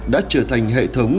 đã trở thành hệ thống